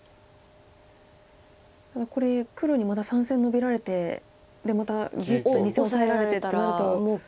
ただこれ黒にまた３線ノビられてでまたギュッと２線オサエってなると。